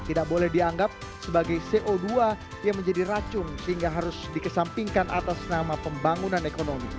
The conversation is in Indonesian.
tidak boleh dianggap sebagai co dua yang menjadi racun sehingga harus dikesampingkan atas nama pembangunan ekonomi